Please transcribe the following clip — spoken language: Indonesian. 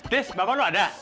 tis bapak lu ada